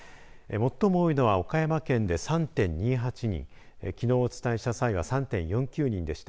最も多いのは岡山県で３．２８人きのうをお伝えした際は３．４９人でした。